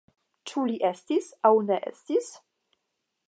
Ĉu li estis aŭ ne estis?